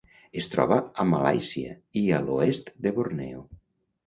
Es troba a Malàisia i a l'oest de Borneo.